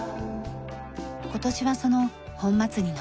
今年はその本祭りの年。